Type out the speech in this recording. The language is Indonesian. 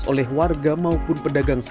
ada yang namanya labuan bajo